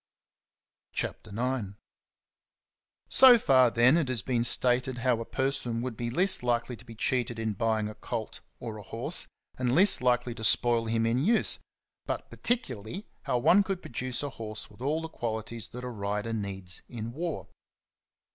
CHAPTER IX. SO far, then, it has been stated how a per son would be least likely to be cheated in buying a colt or a horse, and least likely to spoil him in use, but particularly how one could produce a horse with all the qualities that a rider needs in war.